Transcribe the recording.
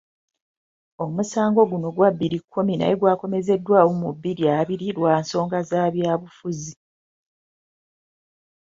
Omusango guno gwa bbiri kkumi naye gwakomezeddwawo mu bbiri abiri lwa nsonga za byabufuzi.